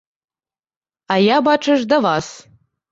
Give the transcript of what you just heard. А я, бачыш, да вас.